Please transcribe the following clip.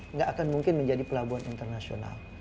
nggak akan mungkin menjadi pelabuhan internasional